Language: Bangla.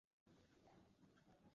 আপনার আসা উচিৎ সেখানে!